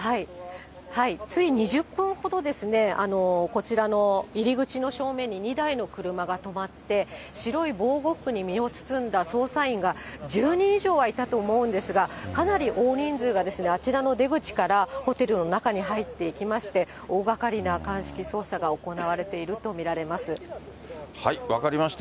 つい２０分ほどですね、こちらの入り口の正面に２台の車が止まって、白い防護服に身を包んだ捜査員が１０人以上はいたと思うんですが、かなり大人数があちらの出口からホテルの中に入っていきまして、大がかりな鑑識、分かりました。